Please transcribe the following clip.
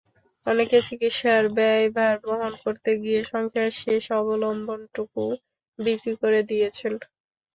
অনেকে চিকিৎসার ব্যয়ভার বহন করতে গিয়ে সংসারের শেষ অবলম্বনটুকুও বিক্রি করে দিয়েছেন।